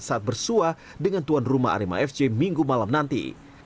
saat bersuah dengan tuan rumah arema fc minggu malam nanti